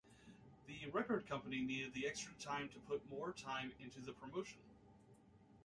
The record company needed the extra time to put more time into the promotion.